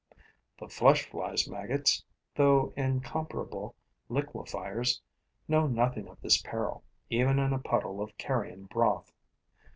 The flesh fly's maggots, though incomparable liquefiers, know nothing of this peril, even in a puddle of carrion broth.